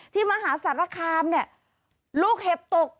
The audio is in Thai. มหาสารคามเนี่ยลูกเห็บตก